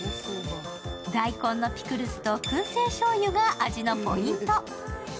大根のピクルスとくん製しょうゆが味のポイント。